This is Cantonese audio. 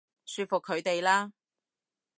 說服佢哋啦